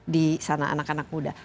disana anak anak muda